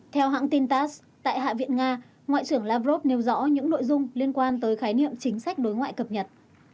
theo hãng tin tass tại hạ viện nga ngoại trưởng lavrov nêu rõ những nội dung liên quan tới khái niệm chính sách đối ngoại cập nhật